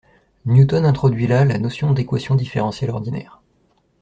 Newton introduit là la notion d'équation différentielle ordinaire